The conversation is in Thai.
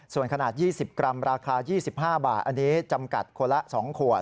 ส่วนขนาด๒๐กรัมราคา๒๕บาทอันนี้จำกัดคนละ๒ขวด